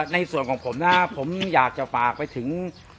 ในส่วนของผมนะผมอยากจะฝากไปถึง